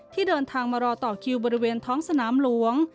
ที่เดินทางมารอต่อคิวบริเวณท้องสนามหลวง